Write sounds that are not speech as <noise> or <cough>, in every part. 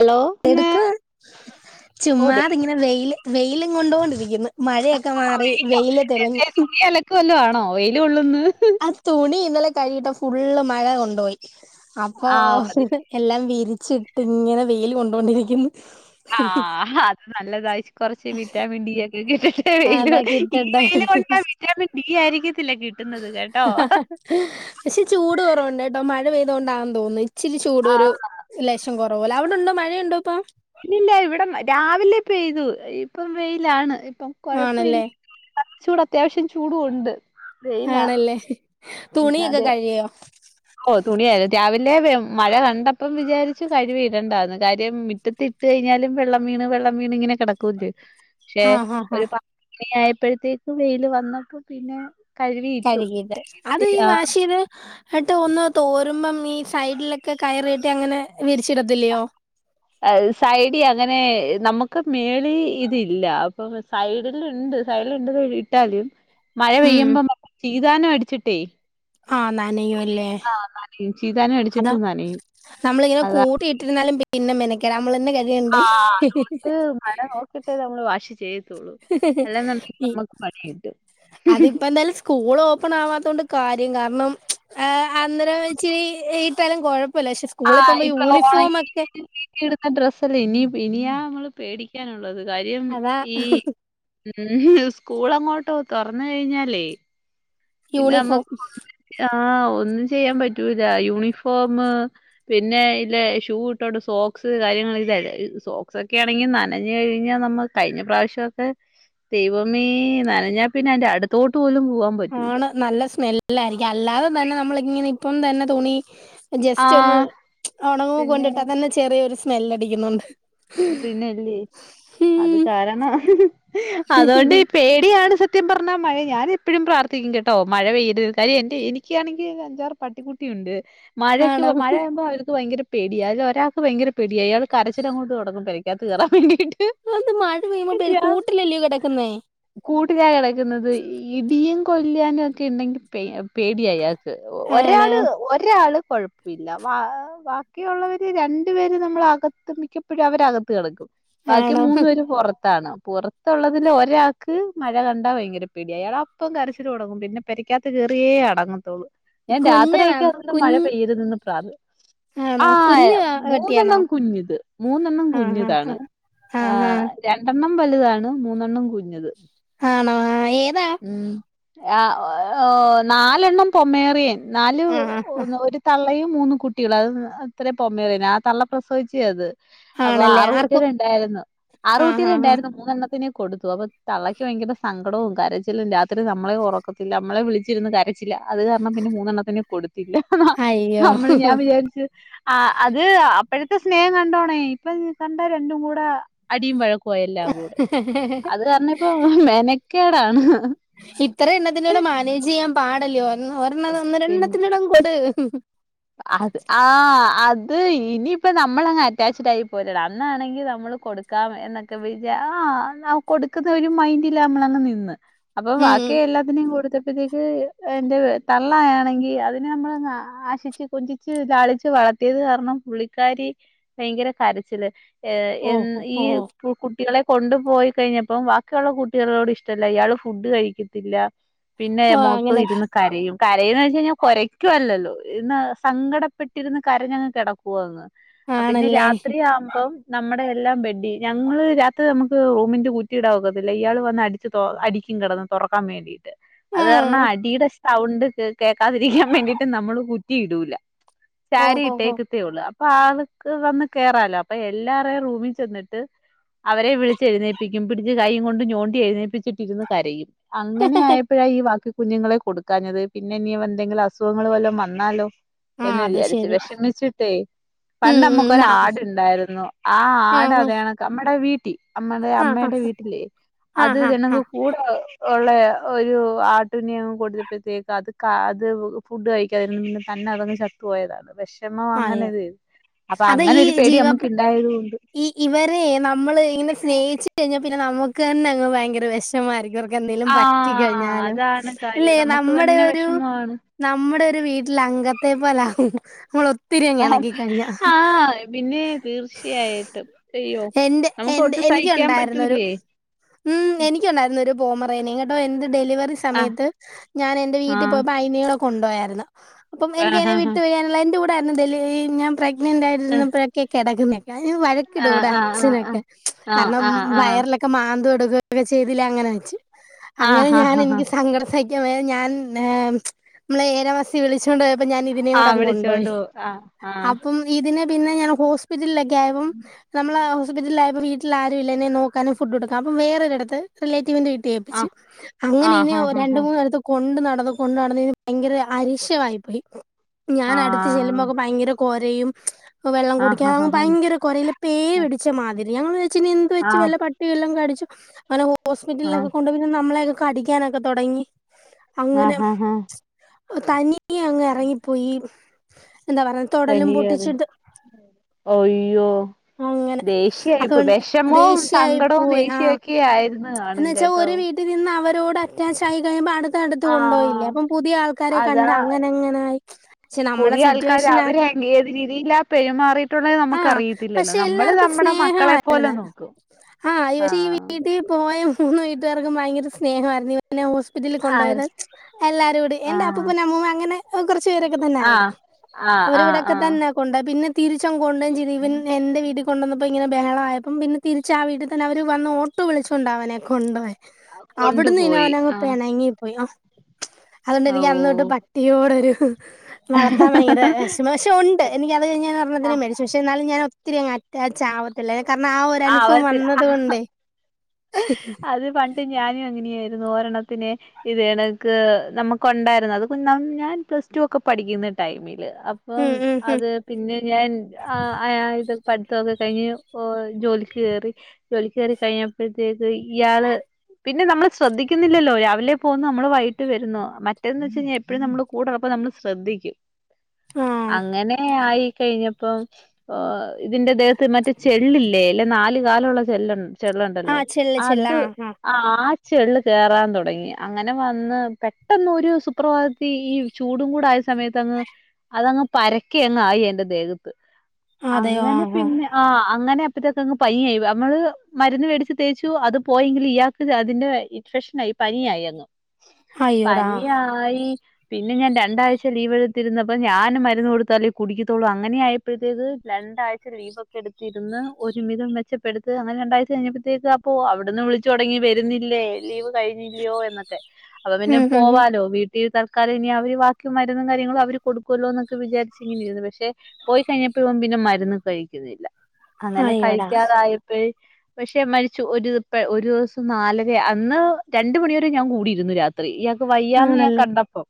Hello എന്തെടുക്ക ഓ ദേ ചുമ്മാതി ങ്ങനെ വെയില് വെയിലും കൊണ്ടൊണ്ട് ഇരിക്കുന്നു മഴ ആ വെയില്ലേ എന്തേ തുണി അലക്ക വല്ല ആണോ വെ ല് കൊള്ള്ന്ന് അ തുണി ഇന്നലെ കൈകിട്ടെ ഫുള്ള് മഴ കൊണ്ടോയി അപ്പൊ ആ അത് ശ എല്ലാം വീരി ചിട്ട് ങ്ങനെ വെയിൽ കൊണ്ടോണ്ടിരിക്കുന്നു ആഹ് അത് നല്ലതായി കൊറച്ച് വിറ്റാമിൻ ഡി ഒ വെയില് അതാക്കി ഈ ഇട്ടിട്ടെ വെൽ കൊണ്ടാ വിറ്റാമിൻ ഡി ആയിരിക്കത്തില്ല കിട്ടുന്നത് കേട്ടോ പെയ്തൊണ്ടാന്ന തോന്ന് ച്ചിരി ആ. ചൂടൊരു ലേഷം കുറ ഓലവിടെ ഉണ്ടോ മഴയുണ്ടോ ഇപ്പം പിന്നല്ല ഇവിടെ രാവിലെ പെയ്തു ഇപ്പം വെയിലാണ് ഇപ്പം കൊഴപ്പമില്ല ആണല്ലേ ചൂടാ അത്യാവശ്യം ചൂടു ഉണ്ട് വെയില ആണല്ലേ തുണിയൊക്കെ കഴികിയോ തുണി ആയല് രാവിലെ മഴ കണ്ടപ്പം വിചാരിച്ചു കഴുവി ഇടണ്ടാന്ന് കാര്യം മുറ്റത്തി ഇട്ട് കഴിഞ്ഞാലും വെള്ളം വീണ് വെള്ളം വീണ് ഇങ്ങനെ കിടക്കൂല്ലേ പക്ഷെ ആഹ് ആഹ് ഒരു പത്ത് മണിയായ ഇപ്പോഴത്തേക്ക് വെയില് വന്നപ്പോ പിന്നെ കഴുകിയിട്ടു കഴുഗിട്ട് അത് ഈ വാഷ് ചെയ്തു ഇട്ട് ഒന്ന് തോരുമ്പം ഈ സൈഡിലൊക്കെ കയറി കെട്ടി അങ്ങനെ വിരിച്ചിടത്തില്ലയോ സൈഡി അങ്ങനെ നമുക്ക് ഒക്കെ മേളി ഇതില്ല അപ്പൊ സൈഡിലുണ്ട് സൈഡിലുണ്ട് ഇട്ടാലും മഴ ഉം പെയ്യുമ്പമ്മക്ക് ഇതാനം അടിച്ചിട്ടേ ആഹ് നനയും ല്ലേ ആഹ് നനയും ചീതാനം അതാ അടിച്ചിട്ട് നനയും നമ്മളിങ്ങനെ കൂട്ടയിട്ടിരുന്നാലും പിന്നെ പിന്നെ മെനക്കെടാ ആ അതുകൊണ്ട് മഴ നോക്കിട്ട് നമ്മള് വാഷ് ചെയ്ത് കിട്ടും അതിപ്പോ തന്നെ സ്കൂള് ഓ- അപ്പണാവാത്ത കൊണ്ട് കാര്യം കാരണം ആഹ് അന്നരം വച്ചിരി- സ്ഥലം കുഴപ്പം ആ് ഇപ്പ ഒണങ്ങി ഇല്ലേലും വീട്ടില് ഇടുന്ന ഡ്രസ്സല്ലേ ഇനി ഇനിയ നമ്മ പേടിക്കാന കാര്യം അതാ ഈ സ്കൂള- ഇങ്ങോട്ടോ തൊറന്ന് കഴിഞ്ഞാലേ പിന്നെ യൂണിഫോം നമ്മക്ക് ആഹ് ഒന്നും ചെയ്യാൻ പറ്റൂല യൂണിഫോമ് പിന്നെ അയ്ലെ ഷൂ ഇട്ടോണ്ട് സോക്സ് കാര്യങ്ങൾ <unintelligible> ഈ സോക്സൊക്കേണെങ്കി നനഞ്ഞു കഴിഞ്ഞാ നമ്മൾ കഴിഞ്ഞ പ്രാവശ്യൊക്കെ ദൈവമേ നനഞ്ഞാ പിന്നെ അയിന്റെ അട്ത്തോട്ട് പോലും പോവാം പറ്റൂല്ല. സ്മെല്ലായി അല്ലാതെ തന്നെ നമ്മളിങ്ങനെ ഇപ്പം തന്നെ തുണി ജസ്റ്റ് ഒന്ന് ആഹ് ഒണങ്ങുമ്പോ പിന്നെ കൊണ്ടിട്ട തന്നെ ചെറിയൊരു സ് മെല്ലടിക്കുന്നുണ്ട്. പിന്നല്ലേ അത് ഉം കാരണം അതൊണ്ട് പേടിയാണ് സ- ത്യം പർഞ്ഞാ മഴ ഞാനെപ്പഴും പ്രാർത്ഥിക്കും കേട്ടോ മഴ പെയ്യരുത് കാര്യ എൻ്റെ എനിക്കാണെങ്കി അഞ്ചാറ് പട്ടിക്കുട്ടിയുണ്ട്. മഴക്ക് ആണോ മഴാവുമ്പോ അവര്ക്ക് ഭയങ്കര പേടിയാ അതിലൊരാൾക്ക് ഭയങ്കര പേടിയാ അയാൾ കരച്ചിലങ്ങോട്ട് തൊ ട്ങ്ങും പെരക്കാത്ത് കേറാൻ വേണ്ടിട്ട് അന്താ മഴ പെയ്യുമ്പോ പേടി കൂട്ടിലല്ലേ കെടക്ക്ന്നേ ട്ടില കെടക്കുന്നത് ഇടിയും കൊല്ല്യാനൊക്കെണ്ടെങ്കി പേ പേടിയാ അയാ ക്ക് ആണോ ഒരാള് ഒരാള് കൊഴപ്പില്ല ബാ ബാക്കിയുള്ളവര് രണ്ടുപേര് നമ്മളകത്ത് മിക്ക പ്പോഴും അവരകത്ത് കടക്കും. ബാക്കി ആണോ മൂന്നു പേര് പുറത്താണ്. പുറത്തുള്ളതിൽ ഒരാൾക്ക് മഴ കണ്ടാ ഭയങ്കര പെട്യ അയാളപ്പം കരച്ചിലൊടങ്ങും പിന്നെ പെരക്കാത്ത കേറിയേ അടങ്ങത്തുള്ളൂ. ഞാൻ രാത്രിയൊക്കെ കുഞ്ഞതാണോ അങ്ങൻത്തെ മഴ കുഞ്ഞ് പെയ്യരുതന്ന് പ്രാർ ആണോ ആഹ് കുഞ്ഞ് പട്ടിയാണോ മൂന്നെണ്ണം കുഞ്ഞുത്. മൂന്നെണ്ണം ആഹ് ആഹ് കുഞ്ഞുതാണ് ആഹ് ആഹ് രണ്ടെ ണ്ണം വലുതാണ് മൂന്നെണ്ണം കുഞ്ഞത്. ആണോ ആ ഏതാ ഉം ആ ഒ നാലെണ്ണം പൊമ്മേറിയൻ നാല് ആഹ് ഒരു തള്ളയും മൂന്ന് കുട്ടികള ത് അത്രയും പോമേറിയന ആ തള്ള പ്രസവിച്ചേ അത് അപ്പൊ ആണല്ലേ ആറ് ആർക്കും കുട്ടികൾ ണ്ടായിരുന്നു ആറ് ആഹ് കുട്ടികൾ ആഹ് ആഹ് ഉണ്ടായിരുന്നു മൂന്നെണ്ണത്തിനെ കൊടുത്തു അപ്പൊ തള്ളയ്ക്ക് ഭയങ്കര സങ്കടവും കരച്ചിലും രാത്രി നമ്മളെ ഉറക്കത്തില്ല നമ്മളെ വിളിച്ചിരിന്ന് കര ചില അത് കാരണം പിന്നെ മൂന്നെണ്ണത്തിനെ കൊടുത്തില്ല എന്ന അയ്യോ നമ്മള് ഞാൻ വിചാരിച്ചു അത് അപ്പഴ സ്നേഹം കണ്ടോ ഈ ഇപ്പം കണ്ട രണ്ടും കൂടെ അടിയും വഴ പോയെല്ലാംകൂടെ അത് കാരണം ഇപ്പൊ മെനക്കേടാണ് പാടല്ലെയോ ഉം ഒരെണ്ണ ഒന്ന് പിന്നെ രണ്ടെത്തിന്റുടങ്ങ് കൊട് ഉഹ് അത് ആ അത് ഇനിയിപ്പ നമ്മളങ്ങ് അറ്റാച്ചഡ് ആയി പോയ്ലെടാ അന്നാണെങ്കി നമ്മള് കൊടുക്കാം എന്നൊക്കെ വിജാ ആ അന്നൗ കൊടുക്കുന്ന ഒരു മൈൻഡില മ്മളങ് നിന്ന് അപ്പൊ ഉം ബാക്കിയെല്ലാത്തിനേ കൊടുത്ത് <unintelligible> ത്തേക്ക് എന്റെ വെ തള്ളയാണെങ്കി അതിനെ നമ്മളങ് ആശി കൊഞ്ചിച്ച് ലാളിച്ച് വളർത്തിയത് കാരണം പുള്ളിക്കാരി ഭയങ്കര കരച്ചില് ഏ എൻ ഓഹ് ഓഹ് ഈ ഓഹ് പു കുട്ടികളെ കൊണ്ടു പോയി കഴിഞ്ഞപ്പം ബാക്കിയുള്ള കുട്ടികളോട് ഇഷ്ടല്ല ഇയാള് ഫുഡ് കഴിക്കത്തില്ല. പിന്നെ ഓഹ് മൊത്തം അങ്ങനെയൊക്കെ ഇരുന്ന് കരയും കരയുന്ന് വെച്ച് കഴിഞ്ഞാ കൊരയ്ക്കുവല്ലല്ലോ ഇന്ന് സങ്കടപ്പെട്ടിരുന്ന് കരഞ്ഞങ്ങ് കെടക്കുവാന്ന് അ പിന്നെ ആണല്ലേ രാത്രി ആവുമ്പം നമ്മുടെ എല്ലാം ബെഡി ഞങ്ങള് രാത്രി നമുക്ക് റൂമിന്റെ കുറ്റിയിടവൊക്കത്തില്ല ഇയാള് വന്ന് അടിച്ച് തൊ അടിക്കും കെടന്ന് തൊറക്കാൻ വേണ്ടീട്ട് അത് കാരണം ആഹ് അടിടേ സൗണ്ട് കേക്കാതിരിക്കാൻ വേണ്ടിയിട്ട് നമ്മള് കു തീ ഇടൂല. ഓ ഹോ ഹോ സാരീട്ടേക്കത്തെ ഉള്ളൂ. അപ്പൊ ആൾക്ക് വന്ന് കയറാലോ അപ്പൊ എല്ലാവാരെയും റൂമിൽ ചെന്നിട്ട് അവരെ വിളിച്ച് എഴുന്നേപ്പിക്കും പിടിച്ച് കയ്യും കൊണ്ട് ഞോണ്ടി എഴുന്നേപ്പിച്ചിട്ടിന്ന് ഇരുന്നു കരയും. അങ്ങനെ ആയപ്പോഴാ ഈ വാക്ക കുഞ്ഞുങ്ങളെ കൊടുക്കാഞ്ഞത് പിന്നെ ഇനി എന്തെങ്കില അസുഖങ്ങൾ വല്ല ന്നാലോ ആ എന്ന് അത് വിചാരിച്ചു ശരി വിഷമിച്ചിട്ടേ ഉം ഉം പണ്ടമ്മുക്കൊ ന ആടുണ്ടായിരുന്നു ആ ആട അതാണ് നമ്മുടെ വീ നമ്മടെ ആ അമ്മയുടെ വീട്ടില് ആ ആ അത് തന ആ ആ കൂടെ ഉള്ള ഒരു ആട്ടുനിയം കൊടുത്തപ്പോഴത്തേക്ക് അത് അത് ഫുഡ് കഴ അതിൽ നിന്ന് തന്നെ അതങ്ങ് ചത്തുപോയതാണ് പക്ഷെ ആയോ അത ഈ ഒരു പേടി ജീവ നമുക്ക് ഉണ്ടായത് കൊണ്ട് ഈ ഇവരെ നമ്മൾ ഇങ്ങനെ സ്നേഹിച്ച് കഴിഞ്ഞ പിന്നെ നമുക്ക് തന്നെ അങ്ങ് ഭയങ്കര വിഷമായിരിക്കും. എന്തെങ്കിലും പറ്റി ആഹ് കഴിഞ്ഞാല് അതാണ് കാര്യം അല്ലേ നമുക്ക് നമ്മുടെ തന്നെ ഒരു വിഷമമാണ്. നമ്മുടെ വീട്ടിൽ അംഗത്തെപ്പോലാകും നമ്മ ആഹ് ആഹ് പിന്നെ തീർച്ചയായിട്ടും അയ്യോ എന്റെ നമുക്ക് എന്റെ ഒട്ടും സഹിക്കാൻ എനിക്കുണ്ടായിരുന്ന ഒരു പറ്റൂലേ. ഒൻപറയാ നിങ്ങടെഎന്തും ഡെലിവറി ആഹ് സമയത്ത് ഞാൻ എന്റെ വീട്ടിൽ ആഹ് പോയപ്പോ അന കൊണ്ടുപോയായിരുന്നു. അപ്പം ആഹ് എനിക്കതിനെ ആഹ് വിട്ടുപിരിയാനുള്ള എന്റെ കുട്ടി ഡെലിവറി ഞാൻ പ്രഗ് പ്രഗ്നെന്റ് യിരുന്നപ്പോഴക്കെ കിടക്കുന്ന വഴക്കിടും ആഹ് ഇവിടെ ആഹ് അച്ഛനൊക്കെ ആഹ് കാരണം ആഹ് ആഹ് ആഹ് വയറിലൊക്കെ മാന്ത ചെയ്തില്ല അങ്ങനെ വെച്ച്. അങ്ങനെ ആഹ് ആഹ് ആഹ് ഹാ ഞാൻ ഹാ ഹാ എനിക്ക് സങ്കടം സഹി ഞാൻ മ്മളെ ഏഴാം മാസത്തി വിളിച്ചോണ്ട് അപ്പൊ ഞാൻ ഇതിനെ കൂടെ ആഹ് അങ്ങ് കൊണ്ടോയി വിളിച്ചോണ്ട് പോവും ആഹ് ആഹ് പിന്നെ പിന്നെ ഞാൻ ഹോസ്പിറ്റലിലക്ക ക്കായപ്പം നമ്മള വീട്ടിൽ ആരുമില്ല എന്നെ നോക്കാനും ഫുഡ് കൊടുക്ക അപ്പൊ വേറൊരിടത്ത് റ്റിവിന്റെ വീട്ട ഏപ്പിച്ച് അങ്ങനെ ഇനി ആഹ് ആഹ് ഹാ രണ്ട് ഹാ മൂന്ന് സ്ഥലത്ത് കൊണ്ട് നട ത് കൊണ്ടാണന് ഭയങ്കര അരിശമായിപ്പോയി ഞാൻ ഹാ അടുത്ത ചെലുബോകെ ഭയങ്കര കൊ ദയും വെള്ളം ആഹ് ആഹ് കുടിക്കാൻ ഹാ ഹാ ഭയങ്കര കോരയിൽ ഹാ പേപിടിച്ച മാതിരി ഞങ്ങൾ വെച്ച് എന്ത് വെച്ച് ആഹ് വല്ല പട്ടിവലോം കടിചോ <unintelligible> ഹോസ്പിറ്റലിലൊക്കെ ആഹ് കൊണ്ട് പിന്നെ നമ്മളെയങ്ങ് കടിക്കാനൊക്കെ തുടങ്ങി ആഹ് ഹ ഹ തനി <unintelligible> അങ്ങ് ഇറങ്ങി പോയി തനിയറി ഒയ്യോ അങ്ങനെ ദേഷ്യയി ഇപ്പം അതുകൊണ്ട് വെഷമവും ദേഷ്യായി സങ്കടവും പോയി ആഹ് ദേഷ്യൊക്കെ ആയിരുന്നു എന്ന് ആണും വെച്ചാ കേട്ടോ ഒരു വീട്ടിൽ നിന്ന് അവരോട് അറ്റാച്ച് ആയി കഴിയുമ്പം അട് ആ അതാ കണ്ട് അങ്ങനെ അങ്ങനായി പക്ഷെ നമ്മടെ പുതിയ ആൾക്കാര് സിറ്റുവേഷനാ അവരെ ഏത് രീതിയിലാ പെരുമാറിയിട്ടുള്ളേന്ന് നമുക്ക് ആഹ് അറിയത്തില്ലല്ലോ പക്ഷെ എല്ലാർക്കും സ്നേഹവായിരുന്ന് വരുന്നേ ആ ഇവര് ഈ ആഹ് വീട്ടി പോയ മൂന്ന് വീട്ടുകാർക്കും ഭയങ്കര സ്നേഹായിരുന്ന് പിന്നെ ഹോസ്പിറ്റലിൽ ആര് കൊണ്ടോയത് എല്ലാരോടും എന്റെ ആഹ് അപ്പൂപ്പനും അമ്മുമ്മയും അങ്ങനെ കൊറച്ച് പേരൊക്കെ തന്നെ ആയിരുന്നു ആഹ് ആഹ് ആഹ് അവരിവിടൊക്കെ ആഹ് തന്നെ കൊണ്ട് പോയെ തിരിച്ചും <unintelligible> എന്റെ വീട്ടിൽ കൊണ്ട് വന്നപ്പോ ഇങ്ങനെ ബഹളായപ്പം പിന്നെ തിരിച്ച് ആ വീട്ടിൽ തന്നെ അവര് വന്നു ഓട്ടോ വിളിച്ച് കൊണ്ടാ അവനെ കൊണ്ട്പോ അവിടുന്ന് <unintelligible> കൊണ്ടുപോയി അവനങ്ങ് ആഹ് പെണങ്ങി പോയി അതുകൊണ്ട് ഓ എനിക്ക് അന്ന് തൊട്ട് പട്ടിയോടൊരു വളർത്താൻ ഭയങ്കര വെഷമാ പക്ഷെ ഒണ്ട് എനിക്ക് അത് കഴിഞ്ഞാന്ന് ആഹ് പർണപ്പോത്തിന് <unintelligible> പക്ഷെ എന്നാലും ഞാൻ ഒത്തിരി അങ്ങ് അറ്റാച്ച് ആവത്ത് ഇല്ല കാരണം ആ ഒരു ആഹ് അനുഭവം അവ വന്നത് കൊണ്ടെ അത് പണ്ട് ഞാനും ഇങ്ങനെ ആയിരുന്നു ഒരെണ്ണത്തിന് ഇതെ കണക്ക് നമുക്ക് ഒണ്ടായിരുന്നു അത് കുഞ്ഞ് ണം ഞാൻ പ്ലസ് ടു ഒക്കെ പഠിക്ക്ന്ന ടൈമിൽ അപ്പം ഉം ഉം ഉം അത് പിന്നെ ഞാൻ ആ ആ ഇത് പഠത്തൊ ഒക്കെ കഴിഞ്ഞ് ഇപ്പോ ജോലിക്ക് കെറി ജോലിക്ക് കെറി കഴിഞ്ഞ അപ്പഴ്ത്തെക്ക് ഇയാൾ പിന്നെ നമ്മൾ ശ്രദ്ധിക്കുന്നില്ലല്ലോ രാവിലെ പോവുന്ന നമ്മൾ വൈ ട്ട്‌ വെരുന്നോ മറ്റത്ത്ന്ന് വെച്ച് കഴിഞ്ഞാ എട്ട് എപ്പഴും നമ്മൾ കൂടെ ഇള്ളപ്പം നമ്മൾ ശ്രദ്ധിക്കും ആഹ് അങ്ങനെ ആയി കെഴിഞ്ഞപ്പം ഓ ഇതിന്റെ ദേഹത്ത് മറ്റെ ചെള്ള് ഇല്ലെ നാല് കാലുള്ള ചെല്ല് ചെ ഇണ്ടല്ലോ ആഹ് ചെല്ല് ചെല്ല് അത് ആഹ് ആഹ് അ ആ ചെള്ള് കെറാൻ തൊടങ്ങി അങ്ങനെ വന്ന് പെട്ടെന്ന് ഒരു സുപ്രഭാതത്തി ഈ ചൂടും കൂടെ ആയ സമയത്ത് അങ്ങ് അതങ്ങ് പരക്കെ അങ്ങ് ആയി എന്റെ ദേഹത്ത് അതെയോ അങ്ങനെ ആഹ് ആഹ് പിന്നെ ആ അങ്ങനെ പിറ്റെ ദിവസം ഇൻക്ക് പയിയായി നമ്മൾ മരുന്ന് വേടി ച്ചു. തേച്ചു അത് പോയെങ്കിലും ഇയാക്ക് അതിന്റെ ഇൻഫെഷൻ ആയി പനിയായി അങ്ങ് അയ്യോടാ പനി ആയി, പി ന്നെ ഞാൻ രണ്ടാഴ്ച ലീവ് എടുത്തിരുന്നപ്പ ഞാൻ മരുന്ന് കൊടുത്താലേ കുടിക്കത്തോളൂ അങ്ങനെ ആയപ്പോഴത്തേക്ക് രണ്ടാഴ്ച ലീവ് ഒക്കെ എടുത്തിരുന്ന് ഒരുമിതം മെച്ചപ്പെടുത്ത് അങ്ങനെ രണ്ടാഴ്ച കഴിഞ്ഞപ്പ പ്പത്തേക്ക് അപ്പോ അവിടുന്ന് വിളിച്ച് തൊടങ്ങി വരുന്നില്ലേ ലീവ് കഴിഞ്ഞില്ലോ എന്നൊക്കെ അപ്പ പിന്നെ ഉം ഉം ഉം പോവാലോ വീട്ടിൽ തല് ക്കാലം ഇനി അവര് ബാക്കി മരുന്നും കാര്യങ്ങളും അവര് കൊടുക്കുവല്ലോ എന്നൊക്കെ വിചാരിച്ച് ഇങ്ങനെരുന്നു, പക്ഷേ പോയി കഴിഞ്ഞപ്പഴും പിന്നെ മരുന്ന് കഴിക്കുന്നില്ല. അങ്ങനെ അയ്യോടാ കഴിക്കാതായപ്പോഴ പക്ഷെ പക്ഷേ മരിച്ചു ഒരു പ ഒരു ദിവസം നാലര അന്ന് രണ്ട മണി വരെ ഞാൻ കൂടിയിരുന്നു രാത്രി വയ്യാന്ന് ഞാൻ ആണല്ലേ കണ്ടപ്പോ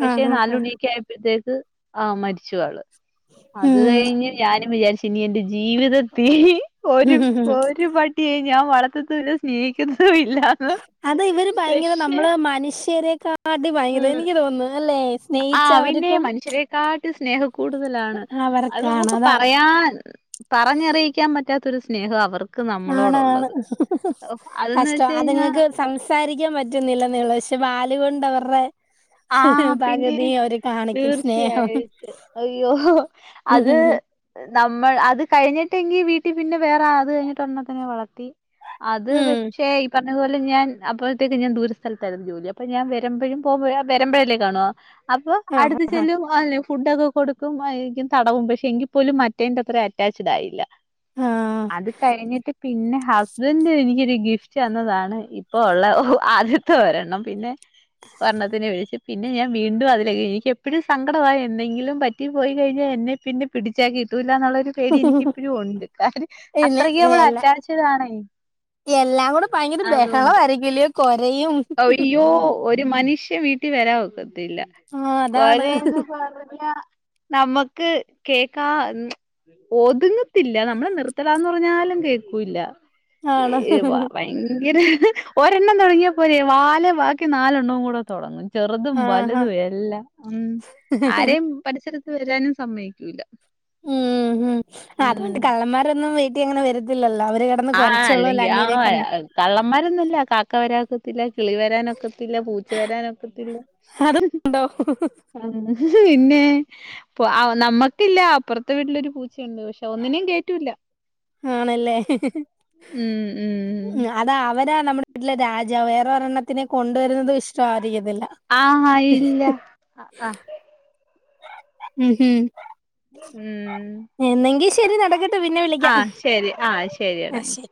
പക്ഷെ ആഹ് ആഹ് ആഹ് നാലുമണിയോക്കെ ആയപ്പോഴത്തേ ആ മരിച്ചു ആള് അത് ഉം കഴിഞ്ഞ് ഞാനും വിചാരിച്ചു ഇനി എന്റെ ജീവിതത്തി ഒരു ഒരുപട്ടി <unintelligible> ഞാൻ വളർത്തത്തുല്ലാ സ്നേഹിക്കത്തുല്ല അത ഇവര് ഭയങ്കര നമ്മള് മനുഷ്യരെക്കെ ആ അടി ഭയങ്കര ഉം എനിക്ക് തോന്നുന്നു അല്ലേ ആ അവന്നെ മനുഷ്യരേക്കാ സ്നേഹം കൂടുതലാണ് അത് അവർക്കാണ് നമുക്ക് അതാ പറയാൻ പറഞ്ഞറിയിക്കാൻ പറ്റാത്ത ത്തൊരു സ്നേഹം അവർക്ക് ആണാണ് നമ്മളോടുള്ളത്. ഓഹ് അതെന്ന് വെച്ച് കഷ്ടം കഴിഞ്ഞാ അതങ്ങൾക്ക് സംസാരിക്കാൻ പറ്റുന്നില്ലെന്നേള്ളു പക്ഷെ വാല് കൊണ്ട് അവരുടെ ആഹ പിന്നെ പകുതി അവര് കാണിക്കും സ്നേഹം തീർച്ചയായിട്ടും അയ്യോ അത് നമ്മൾ അത് കഴിഞ്ഞിട്ടെങ്കി വീട്ടിൽ പിന്നെ വേറെ അത് കഴിഞ്ഞിട്ട്ഒരണ്ണത്തിനെ വളർത്തി അത് ഉം പക്ഷെ ഈ പറഞ്ഞ ഞാൻ അപ്പോഴത്തേക്ക്ഞാൻ ദൂര സ്ഥലത്തായിരുന്നു ജോലി അപ്പ ഞാൻ വരുമ്പോഴും പോകുമ്പോഴും വരുമ്പഴേല്ലെ കാണുവാ അപ്പൊ ആഹ് അടുത്തു ആഹ് ചെല്ലും <unintelligible> ഫുഡൊക്കെ കൊടുക്കും <unintelligible> തടവും പക്ഷെ എങ്കിൽ പോലും മറ്റേന്റെ അത്രയും അറ്റാച്ചഡ് ആയില്ല ആഹ് അത് കഴിഞ്ഞിട്ട് പിന്നെ ഹസ്ബന്റ് എനിക്കൊരു ഗിഫ്റ്റ് തന്നതാണ് ഇപ്പോ ഉള്ള ആദ്യത്തെ ഒരെണ്ണം പിന്നെ പറ <unintelligible> പിന്നെ ഞാൻ വീണ്ടും അതിലക് എിനിക്ക് എപ്പോഴും സങ്കടമായി എന്തെങ്കിലും പറ്റി പോയി കഴിഞ്ഞാൽ എന്നെ പിന്നെ പിടിച്ചാക്കിട്ടൂല കിട്ടില്ലെന്നുള്ള പേടി എനിക്ക് ഇപ്പഴും ഉണ്ട് കാര്യം പിന്നെ അത്രക്ക് നമ്മള് എല്ലാ അറ്റാച്ചിട് ആണെ എല്ലാം കൂടെ ഭയങ്കര അതൊണ്ട് ബഹളമായിരിക്കുംല്ലയോ <unintelligible> ഒരു മനുഷ്യൻ വീട്ടിൽ വരാഒക്കെതില്ല ആഹ് ത്തില്ല അതാണ് കൊരയെന്ന് പറഞ്ഞാൽ നമ്മുക്ക് കേക്കാ ഒതുങ്ങത്തില്ല നമ്മള് നിർത്തടാന്ന് പറഞ്ഞാലും കേൾക്കൂല്ല ആണ് ഏ വാ ഭയങ്കര ഒരെണ്ണം തുടങ്ങിയ വാലെ ബാക്കി നാലെണ്ണംകൂടെ തുടങ്ങും ചെറുതും വലുതും ആഹ് എല്ലാം ഉ ആരെയും പരിസരത്ത് വരാനും സമ്മയിക്കൂല്ല ഉം അതുകൊണ്ട് കള്ളന്മാരൊന്നും അങ്ങനെ വരത്തില്ലല്ലോ അവര് കിടന്ന് ആ കൊരച്ചോളൂല്ലോ അല്ലെങ്കി ആ അന്യരെ കണ്ട കള്ളന്മാരൊന്നുംല്ല കാക്ക വരാക്കത്തില്ല കിളി വരാനൊക്കത്തില്ല പൂച്ച വരാനൊക്കത്തില്ല അത് പിന്നെ അപ്പൊ നമ്മുക്കില്ല അപ്പുറത്തെ വീട്ടിലൊരു പൂ ച്ചയുണ്ട് പക്ഷെ ഒന്നിനേും കേറ്റൂല്ല ആണല്ലേ ഉം ഉം ഉം അതാ അവരാ നമ്മുടെ വീട്ടിലെ രാജാവ് വേറെരെണ്ണത്തിനെ കൊണ്ടുവരുന്നതും ഇഷ്ട ആഹ് ഇല്ല ആഹ്. ഉം ഹം. ഉം. എന്നെങ്കി ശ് ശരി നടക്കട്ടെ. പിന്നെ വിളിക്കാം ആഹ് ശരി ആഹ് ആ ശരിയാടാ. ശരി